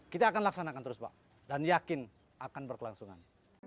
kita akan laksanakan terus pak dan yakin akan berkelangsungan